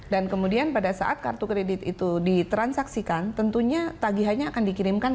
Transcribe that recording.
dan kemudian pada saat kartu kedidik itu ditransaksikan tentunya tagihannya akan dikirimkan